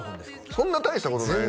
そんな大したことないですね